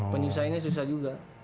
penyusahainya susah juga